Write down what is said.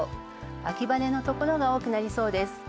秋晴れのところが多くなりそうです。